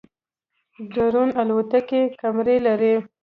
ډرون الوتکې کمرې لري